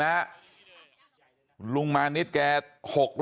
บอกแล้วบอกแล้วบอกแล้ว